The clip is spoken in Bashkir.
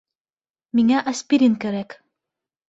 Миңә аспирин кәрәк